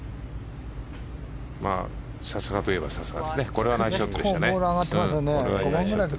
さすがといえばさすがですね。